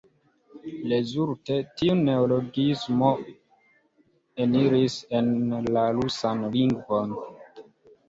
Rezulte, tiu neologismo eniris en la rusan lingvon.